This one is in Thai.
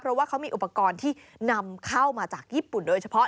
เพราะว่าเขามีอุปกรณ์ที่นำเข้ามาจากญี่ปุ่นโดยเฉพาะ